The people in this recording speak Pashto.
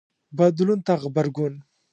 بدلون ته غبرګون